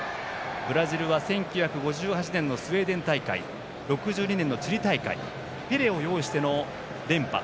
ブラジルは１９５８年のスウェーデン大会と６２年のチリ大会ペレを擁しての連覇。